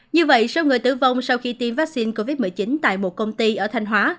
như vậy số người tử vong sau khi tiêm vaccine covid một mươi chín tại một công ty ở thanh hóa